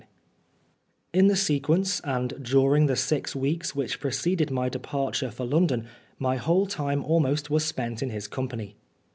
IV IN the sequence, and during the six weeks which preceded my departure for London, my whole time almost was spent in his com pany.